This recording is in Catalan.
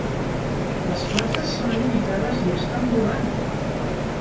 Les places són limitades i estan volant!